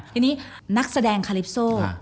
ทีนี้นักแสดงคาลิปโซ